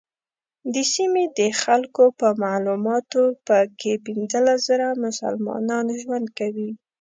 د سیمې د خلکو په معلوماتو په کې پنځلس زره مسلمانان ژوند کوي.